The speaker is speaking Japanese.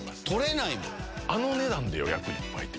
あの値段で予約いっぱいって。